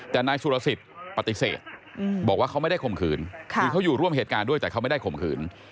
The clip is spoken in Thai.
แต่นายสุรสิทธิ์ปฏิเสธบอกว่าเขาไม่ได้ข่มขืนคือเขาอยู่ร่วมเหตุการณ์ด้วยแต่เขาไม่ได้ข่มขืน